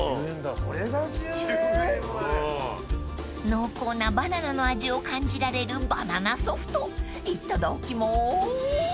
［濃厚なバナナの味を感じられるバナナソフトいただきます］